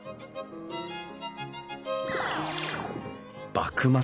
幕末